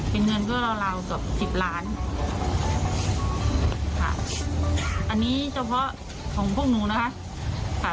เป็นเงินก็ราวกว่า๑๐ล้านอันนี้เฉพาะของพวกนู้นนะค่ะ